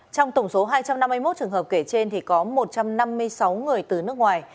trong tổng số hai trăm năm mươi một trường hợp kể trên thì có một trăm năm mươi sáu người từ nước ngoài